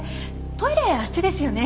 トイレあっちですよね？